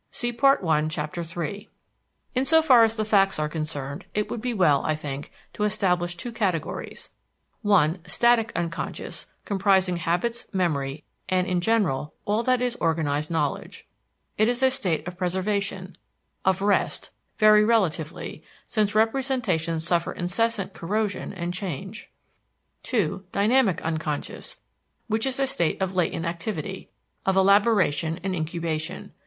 Insofar as the facts are concerned, it would be well, I think, to establish two categories (1) static unconscious, comprising habits, memory, and, in general, all that is organized knowledge. It is a state of preservation, of rest; very relatively, since representations suffer incessant corrosion and change. (2) Dynamic unconscious, which is a state of latent activity, of elaboration and incubation.